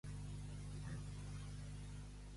La veritat és que es veu molt malament el procés.